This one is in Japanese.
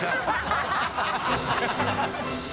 ハハハ